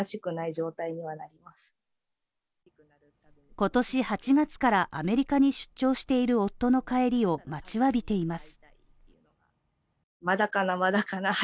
今年８月からアメリカに出張している夫の帰りを待ちわびています。